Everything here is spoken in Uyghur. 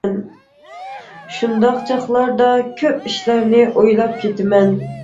شۇنداق چاغلاردا كۆپ ئىشلارنى ئويلاپ كېتىمەن.